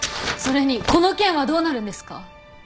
それにこの件はどうなるんですか？